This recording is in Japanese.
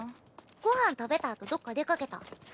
ご飯食べたあとどっか出かけた。